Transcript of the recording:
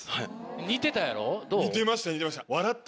似てたやろ？